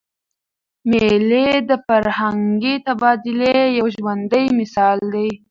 مېلې د فرهنګي تبادلې یو ژوندى مثال دئ.